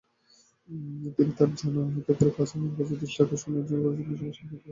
তিনি তাঁর জনহিতকর কাজ এবং মহারাজের দৃষ্টি আকর্ষণ করার জন্য বহু সমস্যার জন্য পরিচিত ছিলেন।